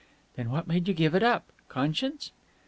"Then what made you give it up? Conscience?"